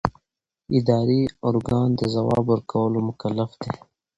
اداري ارګان د ځواب ورکولو مکلف دی.